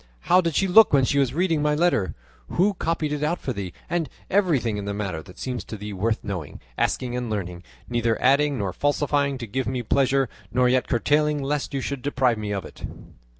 How did she look when she was reading my letter? Who copied it out for thee? and everything in the matter that seems to thee worth knowing, asking, and learning; neither adding nor falsifying to give me pleasure, nor yet curtailing lest you should deprive me of it."